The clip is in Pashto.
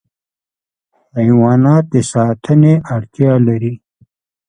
حیوانات د ساتنې اړتیا لري.